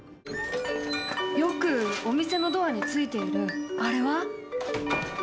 よくお店のドアについているあれは？